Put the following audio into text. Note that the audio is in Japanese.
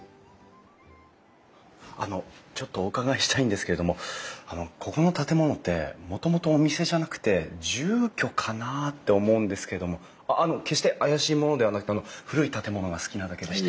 あのちょっとお伺いしたいんですけれどもあのここの建物ってもともとお店じゃなくて住居かなって思うんですけれどもあの決して怪しい者ではなくて古い建物が好きなだけでして。